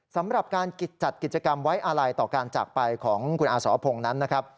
สำหรับการจัดกิจกรรมไว้อาลัยต่อการจากไปของคุณอาสรพงศ์นั้นนะครับ